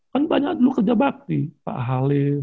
kan banyak dulu kerja bakti pak halim